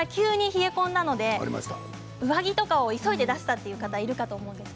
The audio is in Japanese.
先週から急に冷え込んだので上着とかを急いで出したという方多いと思います。